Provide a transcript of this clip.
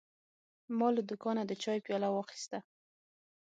ما له دوکانه د چای پیاله واخیسته.